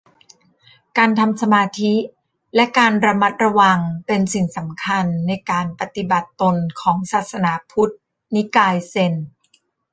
การทำสมาธิและการระมัดระวังเป็นสิ่งสำคัญในการปฏิบัติตนของศาสนาพุทธนิกายเซน